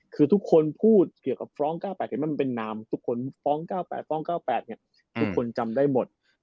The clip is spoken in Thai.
คือทุกคนพูดเกี่ยวกับฟ้อง๙๘เห็นมันเป็นนามทุกคนฟ้อง๙๘ฟ้อง๙๘ทุกคนจำได้หมด